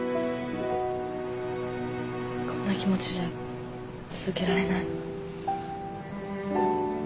こんな気持ちじゃ続けられない。